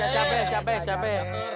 siap be siap be